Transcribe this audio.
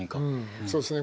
そうですね